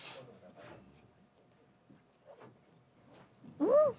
うん。